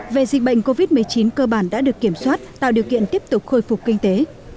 về dịch bệnh covid một mươi chín cơ bản đã được kiểm soát tạo điều kiện tiếp tục khôi phục kinh tế